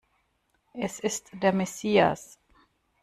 Es ist der Messias!